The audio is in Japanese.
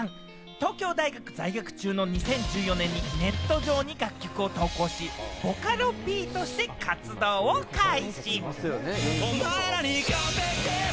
東京大学在学中の２０１４年にネット上に楽曲を投稿し、ボカロＰとして活動を開始。